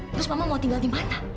terus mama mau tinggal di mana